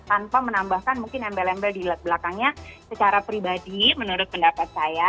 tanpa menambahkan mungkin embel embel di belakangnya secara pribadi menurut pendapat saya